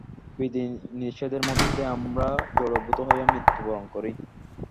বিধি-নিষেধের মধ্যে আমরা জড়ীভূত হইয়া মৃত্যু বরণ করি।